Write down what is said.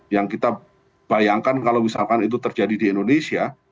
yang kita bayangkan kalau misalkan itu terjadi di indonesia